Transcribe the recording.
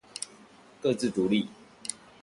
各自獨立